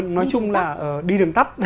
nói chung là đi đường tắt